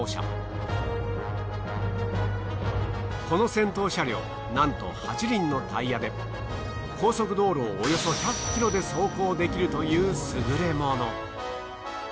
この戦闘車両なんと８輪のタイヤで高速道路をおよそ１００キロで走行できるという優れもの。